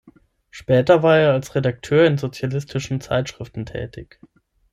Später war er als Redakteur in sozialistischen Zeitschriften tätig.